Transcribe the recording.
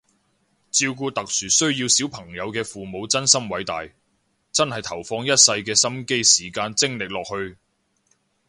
照顧特殊需要小朋友嘅父母真心偉大，真係投放一世嘅心機時間精力落去